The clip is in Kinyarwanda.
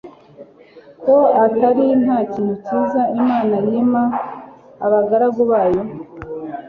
ko ari nta kintu cyiza imana yima abagaragu bayo